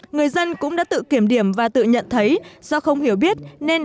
người dân cũng đã tự kiểm điểm và tự nhận thấy do không hiểu biết nên